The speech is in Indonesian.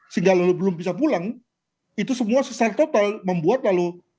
sehingga lalu belum bisa pulang itu semua secara total membuat lalu